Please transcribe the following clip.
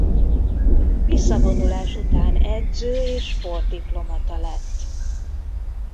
Visszavonulás után edző és sport diplomata lett.